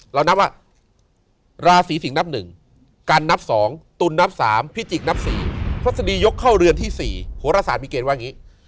เรานับว่าราศีสิงศ์นับ๑การนับ๒ตุลนับ๓พิจิกนับ๔ทฤษฎียกเข้าเรือนที่๔โหรศาสตร์มีเกณฑ์ว่าอย่างนี้